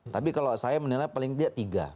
tapi kalau saya menilai paling tidak tiga